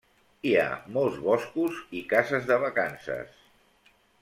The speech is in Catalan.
Hi ha molts boscos i cases de vacances.